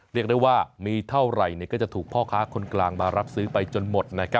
เรียกได้ว่ามีเท่าไหร่ก็จะถูกพ่อค้าคนกลางมารับซื้อไปจนหมด